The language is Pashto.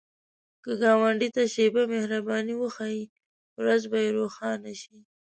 که ګاونډي ته شیبه مهرباني وښایې، ورځ به یې روښانه شي